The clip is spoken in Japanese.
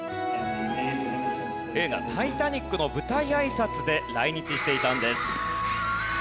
映画『タイタニック』の舞台挨拶で来日していたんです。